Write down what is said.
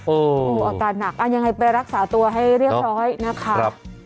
โอ้โหอาการหนักยังไงไปรักษาตัวให้เรียบร้อยนะคะ